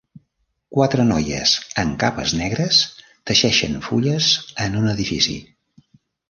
Quatre noies amb capes negres teixeixen fulles en un edifici.